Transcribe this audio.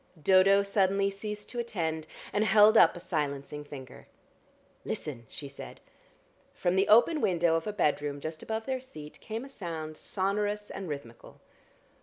Dodo suddenly ceased to attend, and held up a silencing finger. "Listen!" she said. From the open window of a bedroom just above their seat came a sound sonorous and rhythmical.